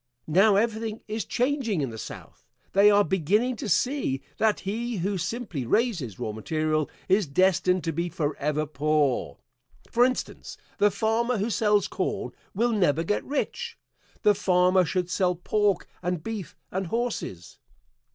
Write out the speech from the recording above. Now everything is changing in the South. They are beginning to see that he who simply raises raw material is destined to be forever poor. For instance, the farmer who sells corn will never get rich; the farmer should sell pork and beef and horses.